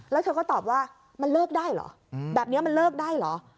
แล้วเธอก็ตอบว่ามันเลิกได้เหรอแบบนี้มันเลิกได้เหรอ